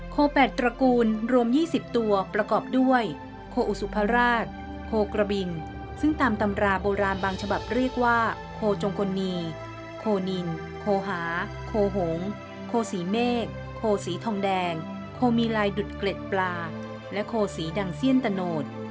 โคแปดตระกูลรวม๒๐ตัวประกอบด้วยโคอุสุภราชโคกระบิงซึ่งตามตำราโบราณบางฉบับเรียกว่าโคจงกลนีโคนินโคหาโคหงโคศรีเมฆโคสีทองแดงโคมีลายดุดเกล็ดปลาและโคสีดังเซียนตะโนธ